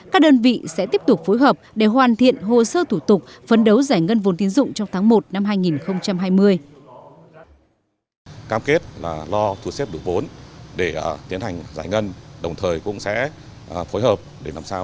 các đơn vị sẽ tiếp tục phối hợp để hoàn thiện hồ sơ thủ tục phấn đấu giải ngân vốn tiến dụng trong tháng một năm hai nghìn hai mươi